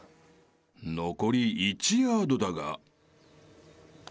［残り１ヤードだが］